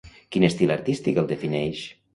Quin estil artístic el defineix?